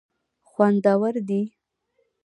خوندور دي.